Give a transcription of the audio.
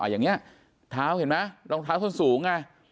อย่างนี้เท้าเห็นไหมรองเท้าเขาสูงไง